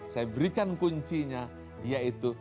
saya berikan kuncinya yaitu